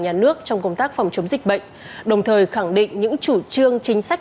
nhà nước trong công tác phòng chống dịch bệnh đồng thời khẳng định những chủ trương chính sách